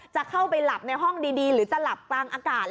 จะเข้าไปหลับในห้องดีหรือจะหลับกลางอากาศ